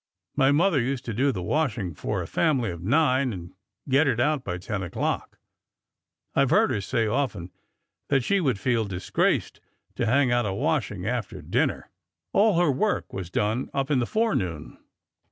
My mother used to do the washing for a family of nine and get it out by ten o'clock. I 've heard her say often that she would feel disgraced to hang out a washing after dinner. All her work was done up in the forenoon."